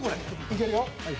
いけるよ。